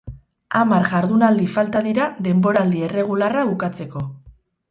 Hamar jardunaldi falta dira denboraldi erregularra bukatzeko.